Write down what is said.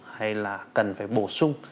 hay là cần phải bổ sung